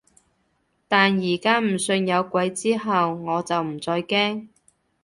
但而家唔信有鬼之後，我就唔再驚